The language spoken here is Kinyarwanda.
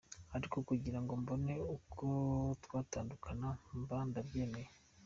Ariko kugira ngo mbone uko twatandukana mba ndabyemeye.